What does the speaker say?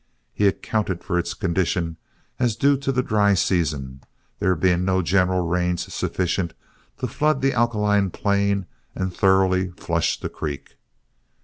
He accounted for its condition as due to the dry season, there being no general rains sufficient to flood the alkaline plain and thoroughly flush the creek.